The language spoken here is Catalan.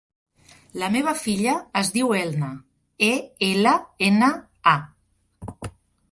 La meva filla es diu Elna: e, ela, ena, a.